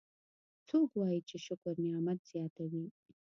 څوک وایي چې شکر نعمت زیاتوي